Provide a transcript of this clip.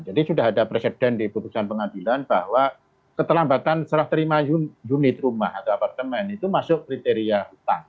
jadi sudah ada presiden di perusahaan pengadilan bahwa ketelambatan serah terima unit rumah atau apartemen itu masuk kriteria hutang